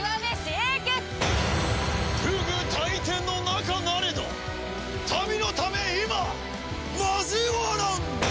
不倶戴天の仲なれど民のため今交わらん！